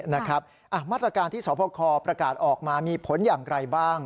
มาตรการที่สพคประกาศออกมามีผลอย่างไรบ้าง